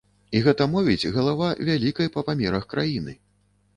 І гэта мовіць галава вялікай па памерах краіны.